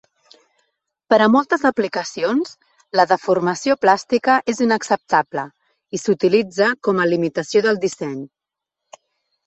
Per a moltes aplicacions, la deformació plàstica és inacceptable, i s'utilitza com a limitació del disseny.